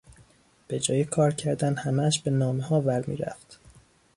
به جای کار کردن همهاش به نامهها ور میرفت.